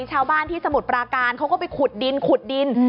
ชาวบ้านที่สมุทรปราการเขาก็ไปขุดดินขุดดิน